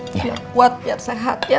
tidak kuat biar sehat ya